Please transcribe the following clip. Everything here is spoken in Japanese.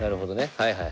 はいはい。